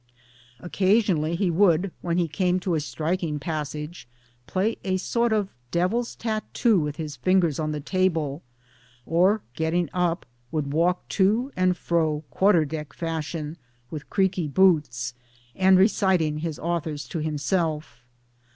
v Occasionally he would, when he came to a striking passage, piay a sort of devil's tattoo with' his fingers on the table, or, getting up, would walk to and fro quarter deck fashion, with c'reaky boots, and reciting his authors to himself.